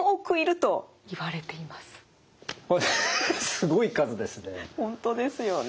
すごい数ですね。